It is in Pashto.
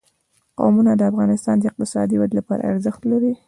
قومونه د افغانستان د اقتصادي ودې لپاره ارزښت لري.